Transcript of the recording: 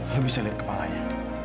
lo bisa liat kepalanya